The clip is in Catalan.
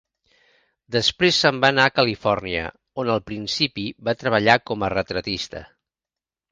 Després se'n va anar a Califòrnia, on al principi va treballar com a retratista.